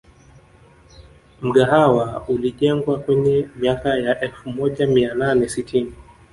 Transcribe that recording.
Mgahawa ulijengwa kwenye miaka ya elfu moja mia nane sitini